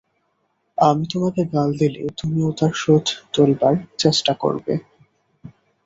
আমি তোমাকে গাল দিলে তুমিও তার শোধ তোলবার চেষ্টা করবে।